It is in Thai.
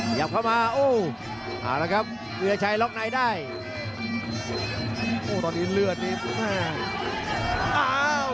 พยายามจะเล่นงานบริเวณลำตัว